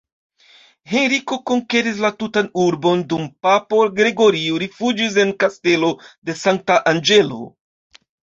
Henriko konkeris la tutan urbon dum papo Gregorio rifuĝis en Kastelo de Sankta Anĝelo.